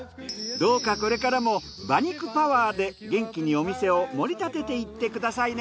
どうかこれからも馬肉パワーで元気にお店を盛り立てていってくださいね。